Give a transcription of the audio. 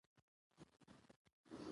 د نجونو تعلیم د ښاري کلتور وده ده.